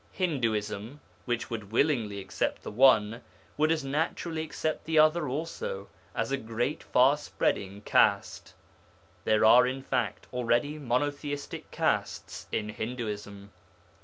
Hinduism, which would willingly accept the one, would as naturally accept the other also, as a great far spreading caste. There are in fact already monotheistic castes in Hinduism.